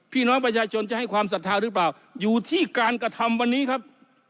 พี่น้องประชาชนจะให้ความศรัทธาหรือเปล่าอยู่ที่การกระทำวันนี้ครับ